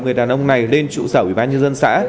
người đàn ông này lên trụ sở ủy ban nhân dân xã